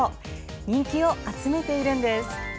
人気を集めているんです。